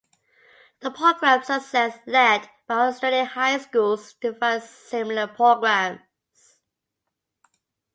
The program's success led other Australian high schools to found similar programs.